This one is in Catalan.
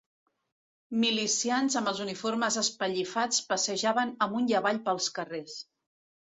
Milicians amb els uniformes espellifats passejaven amunt i avall pels carrers